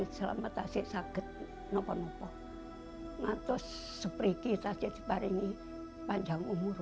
selamat asyik sakit nopo nopo matos sepri kita jadi barengi panjang umur